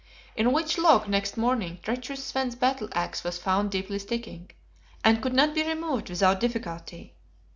In which log, next morning, treacherous Svein's battle axe was found deeply sticking: and could not be removed without difficulty!